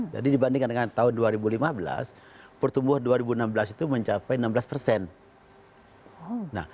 jadi dibandingkan dengan tahun dua ribu lima belas pertumbuh dua ribu enam belas itu mencapai enam belas persen